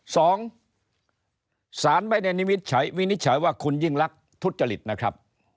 สองสารไม่ได้วินิจฉัยวินิจฉัยว่าคุณยิ่งรักทุจริตนะครับ